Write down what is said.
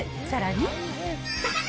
さらに。